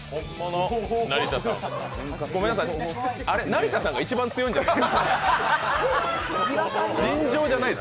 成田さんが一番強いんじゃない？